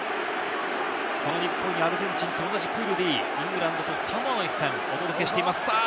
その日本にアルゼンチンと同じプールＤ、イングランドとサモアの一戦をお届けしています。